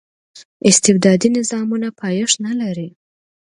استبدادي نظامونه پایښت نه لري.